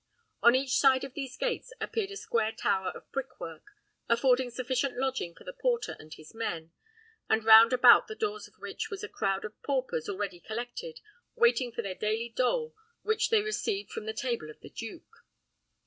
On each side of these gates appeared a square tower of brickwork, affording sufficient lodging for the porter and his men; and round about the doors of which was a crowd of paupers already collected, waiting for the daily dole which they received from the table of the duke.